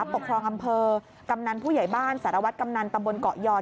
ปกครองอำเภอกำนันผู้ใหญ่บ้านสารวัตรกำนันตำบลเกาะยอด